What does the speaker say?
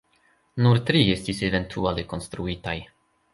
Nur tri estis eventuale konstruitaj.